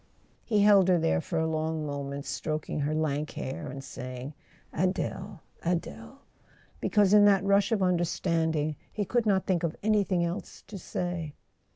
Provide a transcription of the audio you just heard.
He held her there for a long moment, stroking her lank hair, and saying "Adele—Adele," because in that rush of understanding he could not think of anything else to say.